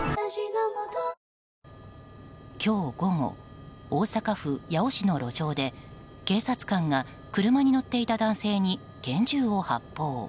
今日午後大阪府八尾市の路上で警察官が車に乗っていた男性に拳銃を発砲。